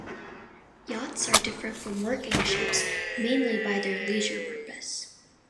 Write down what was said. Yachts are different from working ships mainly by their leisure purpose.